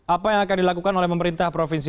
apa yang akan dilakukan oleh pemerintah provinsi